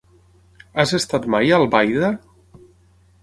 Has estat mai a Albaida?